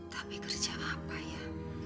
tapi kerja apa ya